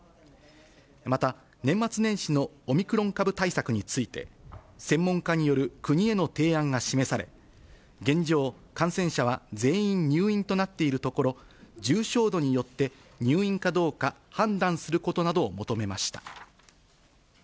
また、年末年始のオミクロン株対策について、専門家による国への提案が示され、現状、感染者は全員入院となっているところ、重症度によって入院かどうか判断することなどを求めました。